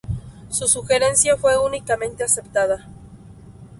Su sugerencia fue unánimemente aceptada.